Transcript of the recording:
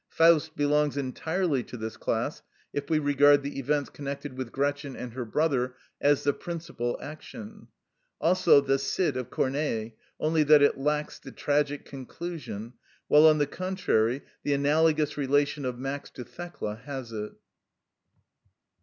"Faust" belongs entirely to this class, if we regard the events connected with Gretchen and her brother as the principal action; also the "Cid" of Corneille, only that it lacks the tragic conclusion, while on the contrary the analogous relation of Max to Thecla has it.